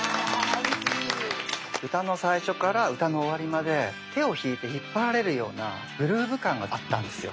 歌の最初から歌の終わりまで手を引いて引っ張られるようなグルーブ感があったんですよ。